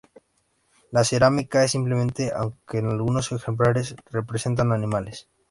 La cerámica es simple, aunque algunos ejemplares representan animales.